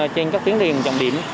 trên các tuyến đường trọng điểm